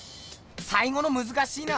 さいごのむずかしいな！